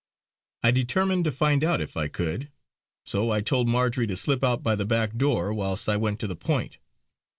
I determined to find out if I could; so I told Marjory to slip out by the back door whilst I went to the point.